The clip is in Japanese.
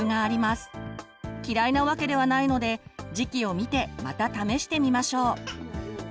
嫌いなわけではないので時期を見てまた試してみましょう。